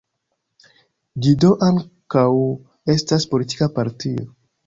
Ĝi do ankaŭ estas politika partio.